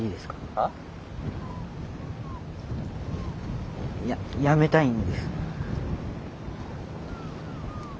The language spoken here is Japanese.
はあ？ややめたいんです。